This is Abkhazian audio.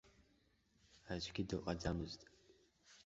Аӡәгьы дыҟаӡамызт.